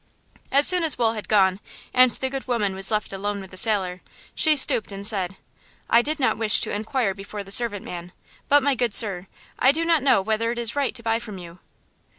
'' As soon as Wool had gone and the good woman was left alone with the sailor, she stooped and said: "I did not wish to inquire before the servant man, but, my good sir, I do not know whether it is right to buy from you!"